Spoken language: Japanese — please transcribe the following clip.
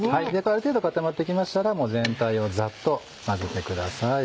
ある程度固まって来ましたら全体をざっと混ぜてください。